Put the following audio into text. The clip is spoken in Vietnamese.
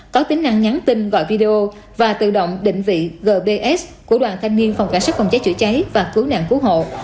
có tính năng nhắn tin gọi video và tự động định vị gbs của đoàn thanh niên phòng cảnh sát phòng cháy chữa cháy và cứu nạn cứu hộ